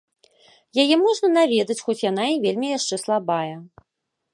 Яе можна наведаць, хоць яна й вельмі яшчэ слабая.